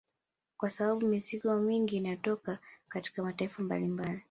Kwa sababu mizigo mingi inayotoka katika mataifa mbalimbali